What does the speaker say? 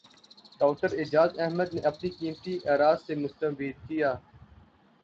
doctor Ijaz Ahmed نے اپنے قیمتی اراءسے مستفید کی